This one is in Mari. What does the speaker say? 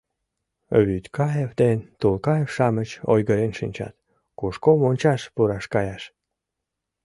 Вӱдкаев ден Тулкаев-шамыч ойгырен шинчат: кушко мончаш пураш каяш?